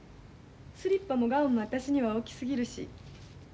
スリッパもガウンも私には大きすぎるし。